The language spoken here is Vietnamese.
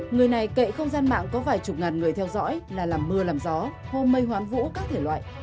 người này kệ không gian mạng có vài chục ngàn người theo dõi là làm mưa làm gió hôn mê hoán vũ các thể loại